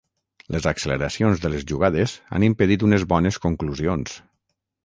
Les acceleracions de les jugades han impedit unes bones conclusions.